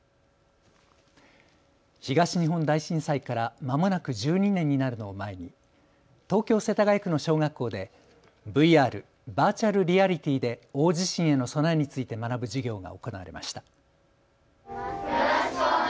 東日本大震災からまもなく１２年になるのを前に東京世田谷区の小学校でＶＲ・バーチャルリアリティーで大地震への備えについて学ぶ授業が行われました。